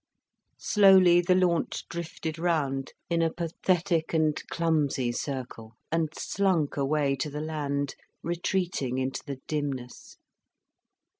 Slowly the launch drifted round in a pathetic, clumsy circle, and slunk away to the land, retreating into the dimness.